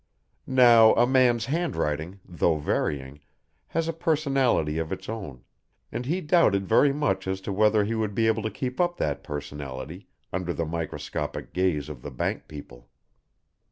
Now a man's handwriting, though varying, has a personality of its own, and he very much doubted as to whether he would be able to keep up that personality under the microscopic gaze of the bank people.